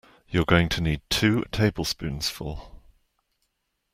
You’re going to need two tablespoonsful.